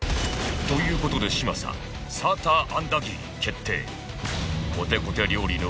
という事で嶋佐サーターアンダギー決定